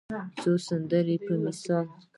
څو سندرې په مثال